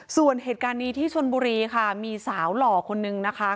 ส่วนเหตุการณ์นี้ที่ชนบุรีค่ะมีสาวหล่อคนนึงนะคะ